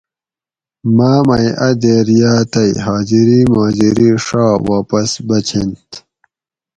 ماۤ مئی اۤ دیر یاۤ تئی حاضری ماضری ڛا واپس بچینت